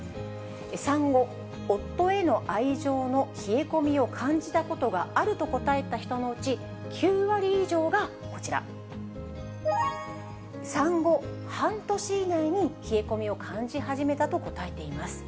産後、夫への愛情の冷え込みを感じたことがあると答えた人のうち、９割以上がこちら、産後半年以内に冷え込みを感じ始めたと答えています。